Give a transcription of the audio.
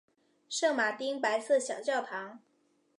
圣马丁白色小教堂。